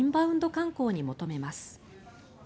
観光に求めます。